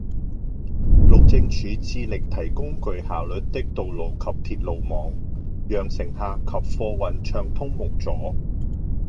路政署致力提供具效率的道路及鐵路網，讓乘客及貨運暢通無阻